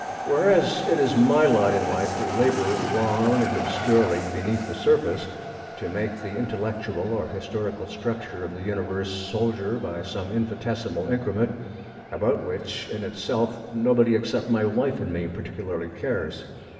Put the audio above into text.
Whereas it is my lot in life to labor long and obscurely beneath the surface, to make the intellectual or historical structure of the universe solider by some infinitesimal increment, about which in itself nobody except my wife and me particularly cares.